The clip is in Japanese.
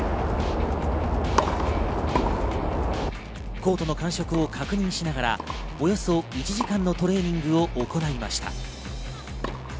コートの感触を確認しながら、およそ１時間のトレーニングを行いました。